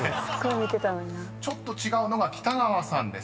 ［ちょっと違うのが北川さんです］